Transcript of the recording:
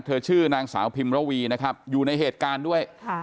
ชื่อนางสาวพิมระวีนะครับอยู่ในเหตุการณ์ด้วย